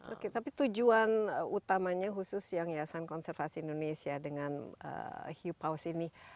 oke tapi tujuan utamanya khusus yang ya san konservasi indonesia dengan hiu paus ini